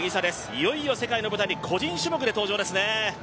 いよいよ世界の舞台に個人種目で登場ですね。